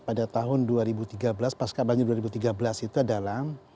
pada tahun dua ribu tiga belas pas kabarnya dua ribu tiga belas itu adalah